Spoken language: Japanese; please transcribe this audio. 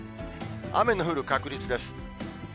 雨の降る確率です。